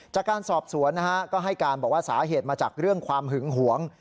จากการสอบสวนนะฮะก็ให้การบอกว่าสาเหตุมาจากเรื่องความหึงหวง